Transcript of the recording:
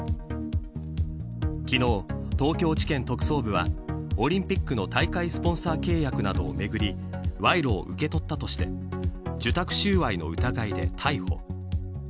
昨日、東京地検特捜部はオリンピックの大会スポンサー契約などをめぐり賄賂を受け取ったとして受託収賄の疑いで逮捕。